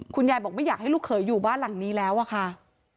คุณยายบอกไม่อยากให้ลูกเขยอยู่บ้านหลังนี้แล้วอะค่ะ